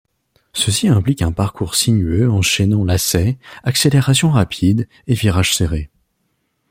Ceci implique un parcours sinueux enchaînant lacets, accélérations rapides, et virages serrés.